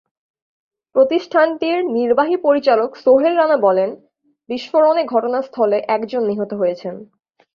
প্রতিষ্ঠানটির নির্বাহী পরিচালক সোহেল রানা বলেন, বিস্ফোরণে ঘটনাস্থলে একজন নিহত হয়েছেন।